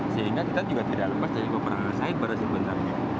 sehingga kita juga tidak lepas dari peperangan cyber sebenarnya